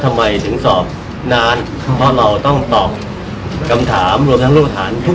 พี่แจงในประเด็นที่เกี่ยวข้องกับความผิดที่ถูกเกาหา